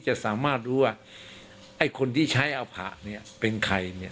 จะสามารถรู้ว่าไอ้คนที่ใช้อภะเนี่ยเป็นใครเนี่ย